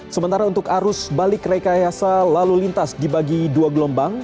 sementara untuk arus balik rekayasa lalu lintas dibagi dua gelombang